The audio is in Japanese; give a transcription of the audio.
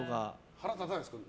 腹立たないですか？